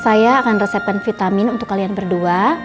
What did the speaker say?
saya akan resepkan vitamin untuk kalian berdua